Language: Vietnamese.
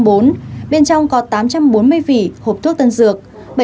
bên trong có tám trăm bốn mươi vỉ hộp thuốc tân dược